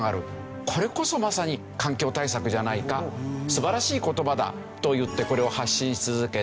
これこそまさに環境対策じゃないか素晴らしい言葉だ！と言ってこれを発信し続けた。